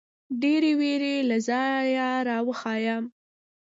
ډېـرې وېـرې له ځايـه راويـښه.